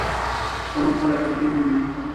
شتمن خلک بخیل نه وي.